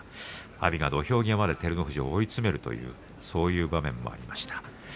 阿炎が土俵際まで照ノ富士を追い詰めるという場面もありました。